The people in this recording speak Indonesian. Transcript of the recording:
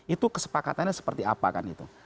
itu kesepakatannya seperti apa kan itu